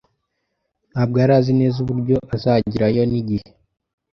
Ntabwo yari azi neza uburyo azagerayo, n'igihe.